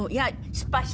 失敗した。